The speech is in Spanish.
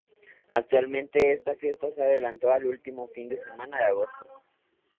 Actualmente esta fiesta se ha adelantado al último fin de semana de agosto.